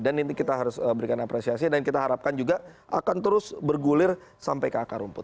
dan ini kita harus berikan apresiasi dan kita harapkan juga akan terus bergulir sampai ke akar rumput